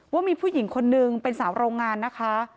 ว่ามีผู้หญิงคนนึงเป็นสาวโรงงานนะคะ